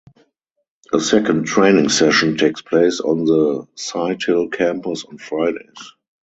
A second training session takes place on the Sighthill Campus on Fridays.